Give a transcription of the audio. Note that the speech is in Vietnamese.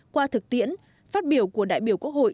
qua thực tiễn phát biểu của đại biểu quốc hội